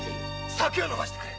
酒を飲ませてくれ！